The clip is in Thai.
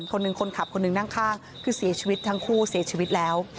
คนหนึ่งคนขับคนหนึ่งนั่งข้างคือเสียชีวิตทั้งคู่เสียชีวิตแล้ว